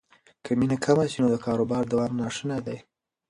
که مینه کمه شي نو د کاروبار دوام ناشونی دی.